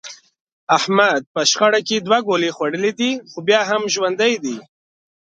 احمد په شخړه کې دوه ګولۍ خوړلې دي، خو بیا هم ژوندی دی.